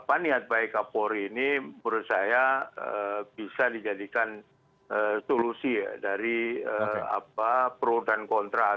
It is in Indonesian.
antara lima puluh enam bgkpk